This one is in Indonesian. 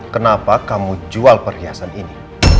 kenapa kamu jual perhiasan ini